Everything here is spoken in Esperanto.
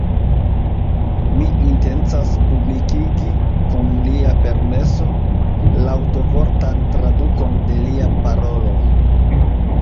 Mi intencas publikigi, kun lia permeso, laŭvortan tradukon de lia parolo.